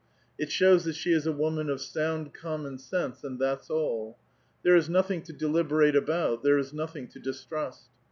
It shows that le is a woman of sound common sense, and that*s all. here is nothing to deliberate about; there is nothing to istrust.